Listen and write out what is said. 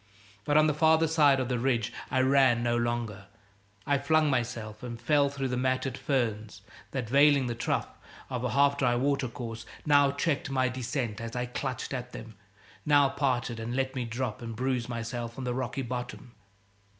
But on the farther side of the ridge I ran no longer. I flung myself and fell through the matted ferns that, veiling the trough of a half dry watercourse, now checked my descent as I clutched at them, now parted and let me drop and bruise myself on the rocky bottom.